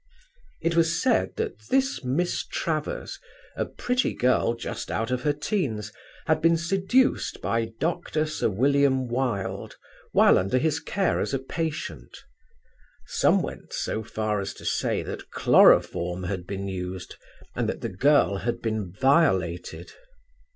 It was said that this Miss Travers, a pretty girl just out of her teens, had been seduced by Dr. Sir William Wilde while under his care as a patient. Some went so far as to say that chloroform had been used, and that the girl had been violated.